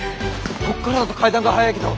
こっからだと階段が早いけど。